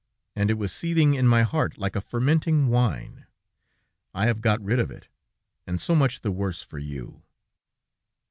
And it was seething in my heart like a fermenting wine. I have got rid of it, and so much the worse for you.